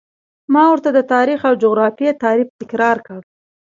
ما ورته د تاریخ او جغرافیې تعریف تکرار کړ.